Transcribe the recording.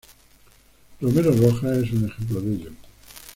Romero Rojas es un ejemplo de ello.